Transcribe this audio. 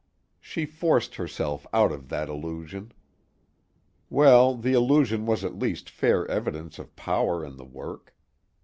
She forced herself out of that illusion. Well, the illusion was at least fair evidence of power in the work.